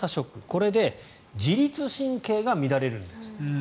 これで自律神経が乱れるんですと。